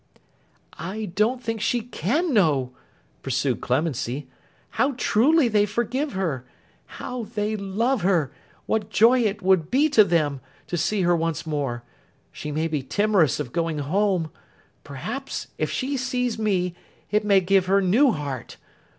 'I don't think she can know,' pursued Clemency, 'how truly they forgive her; how they love her; what joy it would be to them, to see her once more. She may be timorous of going home. Perhaps if she sees me, it may give her new heart.